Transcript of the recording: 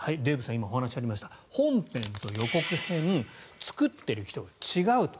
今、お話ありました本編と予告編作っている人が違うと。